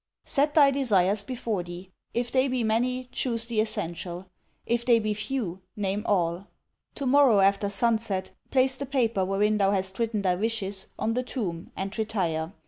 'Set thy desires before thee. If they be many, chose the essential: if they be few, name all. To morrow, after sunset, place the paper wherein thou hast written thy wishes on the tomb, and retire.